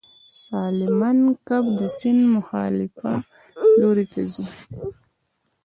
سالمن کب د سیند مخالف لوري ته ځي